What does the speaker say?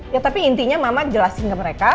ya tapi intinya mama jelasin ke mereka